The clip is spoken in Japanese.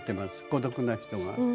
孤独な人が。